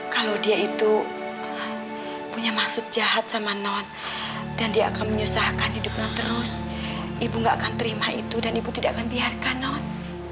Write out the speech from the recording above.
kalau dia itu punya maksud jahat sama not dan dia akan menyusahkan hidup no terus ibu gak akan terima itu dan ibu tidak akan biarkan not